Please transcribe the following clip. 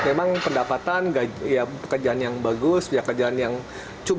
memang pendapatan pekerjaan yang bagus pekerjaan yang cukup